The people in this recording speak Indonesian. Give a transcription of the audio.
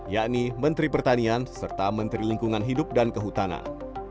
yakni menteri pertanian serta menteri lingkungan hidup dan kehutanan